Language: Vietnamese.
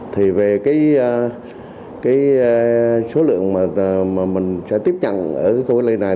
thì về cái số lượng mà mình sẽ tiếp nhận ở khu vấn lý này